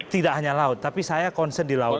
tidak hanya laut tapi saya concern di laut